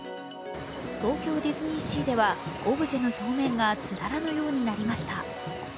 東京ディズニーシーではオブジェの表面がつららのようになりました。